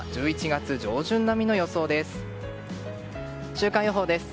週間予報です。